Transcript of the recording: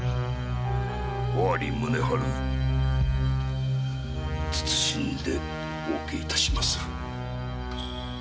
尾張宗春謹んでお受けいたしまする。